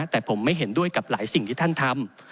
แต่ผมไม่เห็นด้วยกับหลายสิ่งที่ท่านทำ